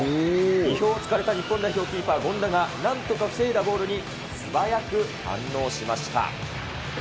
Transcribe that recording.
意表をつかれた日本代表キーパー、権田がなんとか防いだゴールに素早く反応しました。